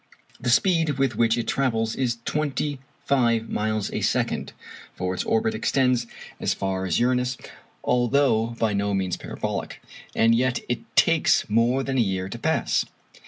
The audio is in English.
The speed with which it travels is twenty five miles a second, (for its orbit extends as far as Uranus, although by no means parabolic), and yet it takes more than a year to pass.